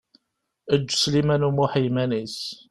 Eǧǧ Sliman U Muḥ i yiman-is.